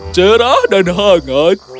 cerah dan hangat